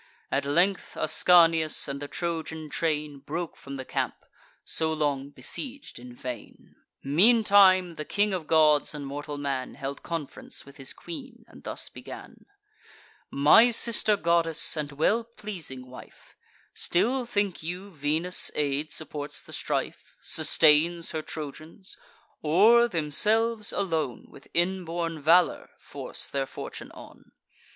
At length Ascanius and the Trojan train Broke from the camp, so long besieg'd in vain. Meantime the King of Gods and Mortal Man Held conference with his queen, and thus began: "My sister goddess, and well pleasing wife, Still think you Venus' aid supports the strife— Sustains her Trojans—or themselves, alone, With inborn valour force their fortune on?